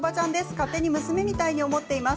勝手に娘みたいに思っています